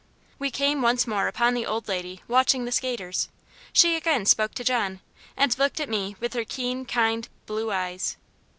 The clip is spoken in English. We came once more upon the old lady, watching the skaters. She again spoke to John, and looked at me with her keen, kind, blue eyes.